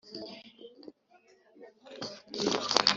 ndataha mbirangije byose uyu munsi